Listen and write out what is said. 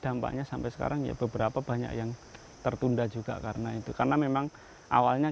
dampaknya sampai sekarang ya beberapa banyak yang tertunda juga karena itu karena memang awalnya